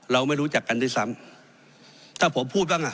เราไม่รู้จักกันด้วยซ้ำถ้าผมพูดบ้างอ่ะ